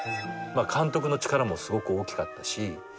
監督の力もすごく大きかったし。